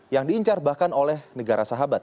yang diincar bahkan oleh negara sahabat